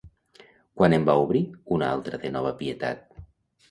Quan en va obrir una altra de nova Pietat?